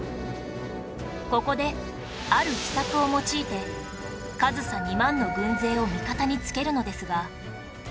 ここである秘策を用いて上総２万の軍勢を味方につけるのですが